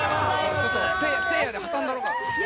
ちょっとせいやで挟んだろうか？